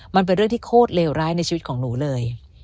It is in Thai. มันเป็นเรื่องที่โคตรเลวร้ายในชีวิตของหนูเลย